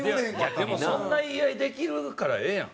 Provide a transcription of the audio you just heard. でもそんな言い合いできるからええやん。